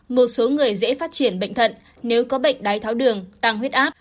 một số người dễ phát triển bệnh thận nếu có bệnh đái tháo đường tăng huyết áp